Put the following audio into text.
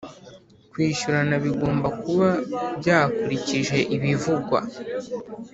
kwishyurana bigomba kuba byakurikije ibivugwa